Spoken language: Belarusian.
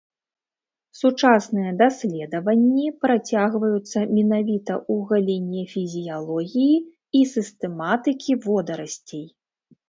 Сучасныя даследаванні працягваюцца менавіта ў галіне фізіялогіі і сістэматыкі водарасцей.